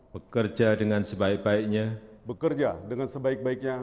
bekerja dengan sebaik baiknya